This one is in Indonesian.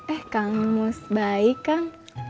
eh kamu sebaik kan